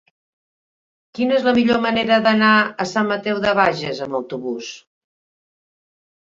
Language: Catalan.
Quina és la millor manera d'anar a Sant Mateu de Bages amb autobús?